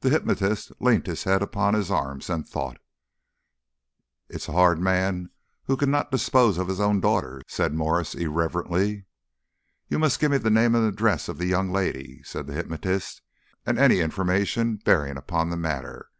The hypnotist leant his head upon his arm and thought. "It's hard a man cannot dispose of his own daughter," said Mwres irrelevantly. "You must give me the name and address of the young lady," said the hypnotist, "and any information bearing upon the matter.